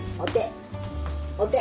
お手。